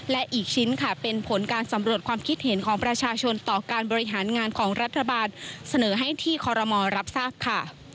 และอีกชิ้นค่ะเป็นผลการสำรวจความคิดเห็นของประชาชนต่อการบริหารงานของรัฐบาลเสนอให้ที่คอรมอลรับทราบค่ะ